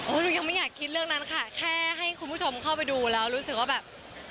หนูยังไม่อยากคิดเรื่องนั้นค่ะแค่ให้คุณผู้ชมเข้าไปดูแล้วรู้สึกว่าแบบ